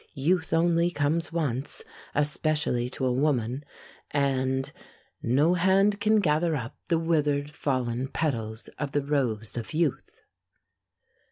Youth only comes once especially to a woman; and No hand can gather up the withered fallen petals of the Rose of youth.